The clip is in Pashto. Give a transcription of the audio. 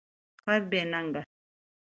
خر بی نګه